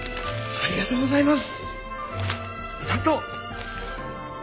ありがとうございます！